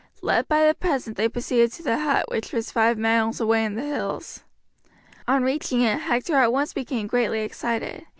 Led by the peasant they proceeded to the hut, which was five miles away in the hills. On reaching it Hector at once became greatly excited.